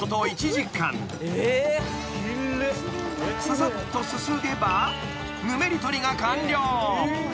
［ささっとすすげばぬめり取りが完了］